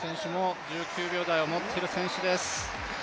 １９秒台を持っている選手です。